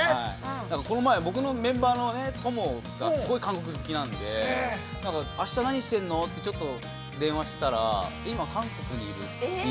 ◆だからこの前、僕のメンバーのＴＯＭＯがすごい韓国好きなんで、あした何してるのってちょっと電話したら、「今韓国にいる」っていう。